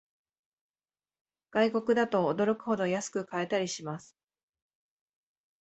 外国だと驚くほど安く買えたりします